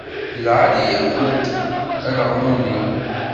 D lɛali-yakent alaɣmu-nni.